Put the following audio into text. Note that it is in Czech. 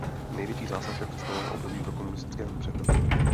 Největší zásah však představovalo období po komunistickém převratu.